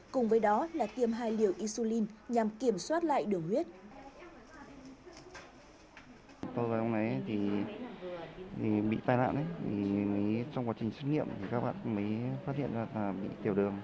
cùng với đó là tiêm hai liều isulin nhằm kiểm soát lại đường huyết